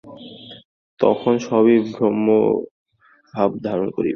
তখন সবই ব্রহ্মভাব ধারণ করিবে।